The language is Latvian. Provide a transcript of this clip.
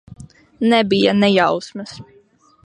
Nebija ne jausmas.